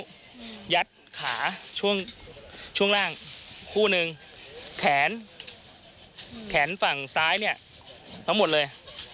ยัดขาช่วงช่วงล่างคู่หนึ่งแขนแขนฝั่งซ้ายเนี่ยทั้งหมดเลย